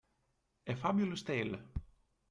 A Fabulous tale